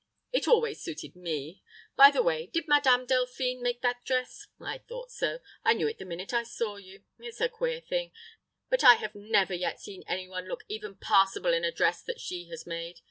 It always suited me. By the way, did Madame Delphine make that dress?... I thought so, I knew it the minute I saw you. It's a queer thing, but I have never yet seen anyone look even passable in a dress that she has made.